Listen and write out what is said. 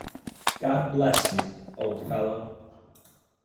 God bless you, old fellow!